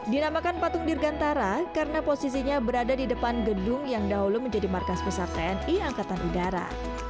dinamakan patung dirgantara karena posisinya berada di depan gedung yang dahulu menjadi markas besar tni angkatan udara